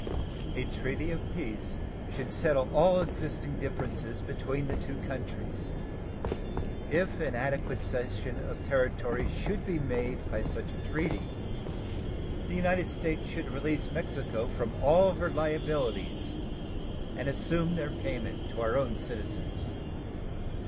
A treaty of peace should settle all existing differences between the two countries. If an adequate cession of territory should be made by such a treaty, the United States should release Mexico from all her liabilities and assume their payment to our own citizens.